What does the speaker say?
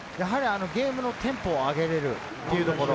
ゲームのテンポを上げれるというところ。